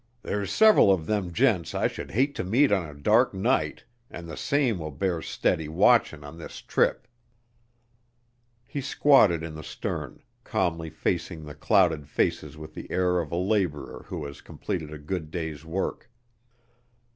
There's several of them gents I should hate to meet on a dark night, an' the same will bear steady watchin' on this trip." He squatted in the stern, calmly facing the clouded faces with the air of a laborer who has completed a good day's work.